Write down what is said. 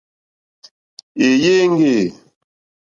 Èèyé éŋɡê.